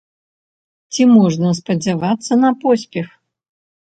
Ці можна спадзявацца на поспех?